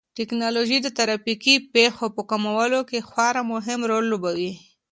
ټیکنالوژي د ترافیکي پېښو په کمولو کې خورا مهم رول لوبوي.